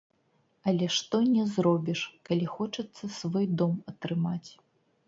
Але што не зробіш, калі хочацца свой дом атрымаць.